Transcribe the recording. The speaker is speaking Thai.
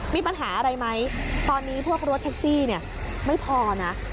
มีปัญหาอะไรไหมตอนนี้พวกรถแท็กซี่เนี่ยไม่พอนะ